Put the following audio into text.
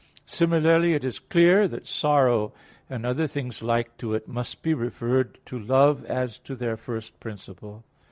Similarly, it is clear that sorrow, and other things like to it, must be referred to love as to their first principle.